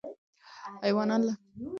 ایوانان له ځان سره واخلئ او بیا حرکت وکړئ.